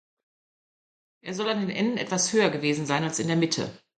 Er soll an den Enden etwas höher gewesen sein als in der Mitte.